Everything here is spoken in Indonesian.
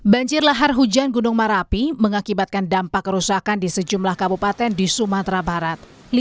banjir lahar hujan gunung merapi mengakibatkan dampak kerusakan di sejumlah kabupaten di sumatera barat